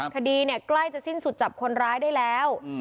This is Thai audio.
คดีใกล้จะสิ้นสุดจับคนร้ายได้แล้ว